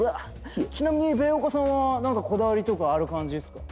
ちなみにベーオカさんは何かこだわりとかある感じっすか？